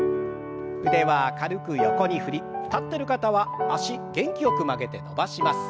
腕は軽く横に振り立ってる方は脚元気よく曲げて伸ばします。